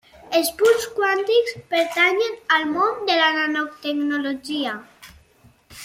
Els punts quàntics pertanyen al món de la nanotecnologia.